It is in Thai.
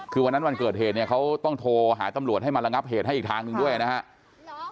คือวันนั้นวันเกิดเหตุเนี่ยเขาต้องโทรหาตำรวจให้มาระงับเหตุให้อีกทางหนึ่งด้วยนะครับ